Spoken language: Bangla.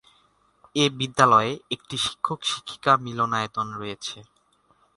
এ বিদ্যালয়ে একটি শিক্ষক-শিক্ষিকা মিলনায়তন রয়েছে।